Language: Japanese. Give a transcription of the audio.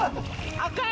赤い！